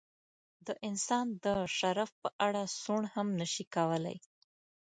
د انسان د شرف په اړه سوڼ هم نشي کولای.